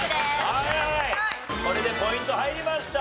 はいはいこれでポイント入りました。